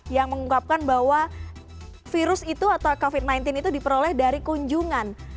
yang mengungkapkan bahwa virus itu atau covid sembilan belas itu diperoleh dari kunjungan